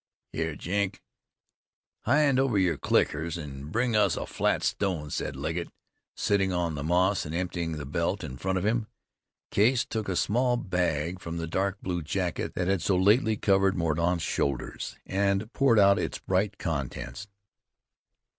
"Here, Jenks, hand over yer clickers, an' bring us a flat stone," said Legget, sitting on the moss and emptying the belt in front of him. Case took a small bag from the dark blue jacket that had so lately covered Mordaunt's shoulders, and poured out its bright contents.